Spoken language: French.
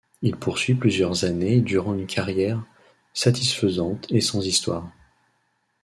Il poursuit plusieurs années durant une carrière satisfaisante et sans histoires.